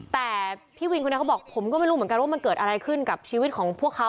แต่พี่วินคนนี้เขาบอกผมก็ไม่รู้เหมือนกันว่ามันเกิดอะไรขึ้นกับชีวิตของพวกเขา